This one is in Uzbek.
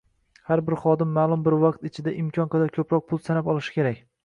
Har bir xodim maʼlum bir vaqt ichida imkon qadar koʻproq pul sanab olishi kerak.